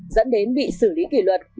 dẫn đến bị xử lý kỷ luật